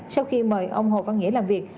sau khi mời ông hồ văn nghĩa làm việc